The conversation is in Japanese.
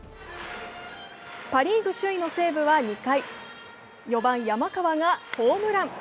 パ・リーグ首位の西武は２回、４番・山川がホームラン。